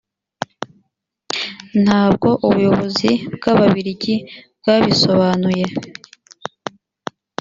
ntabwo ubuyobozi bw ababirigi bwabisobanuye